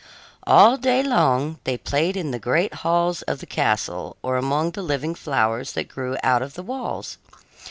All day long they played in the great halls of the castle or among the living flowers that grew out of the walls.